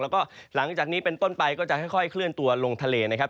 แล้วก็หลังจากนี้เป็นต้นไปก็จะค่อยเคลื่อนตัวลงทะเลนะครับ